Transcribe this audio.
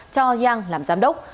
cho yang làm giám đốc